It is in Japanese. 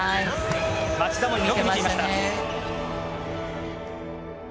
町田もよく見ていました。